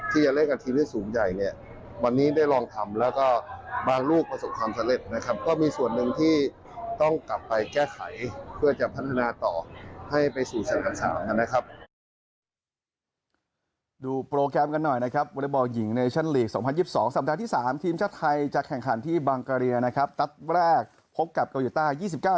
ที่จะเล่นกับทีมเล่นสูงใหญ่เนี่ยวันนี้ได้ลองทำแล้วก็บ้านลูกประสบความสำเร็จนะครับ